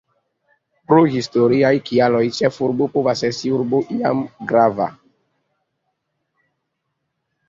Pro historiaj kialoj, ĉefurbo povas esti urbo iam grava.